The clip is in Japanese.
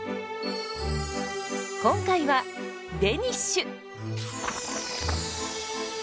今回はデニッシュ！